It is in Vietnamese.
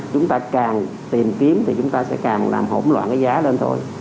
chúng ta càng tìm kiếm thì chúng ta sẽ càng làm hỗn loạn cái giá lên thôi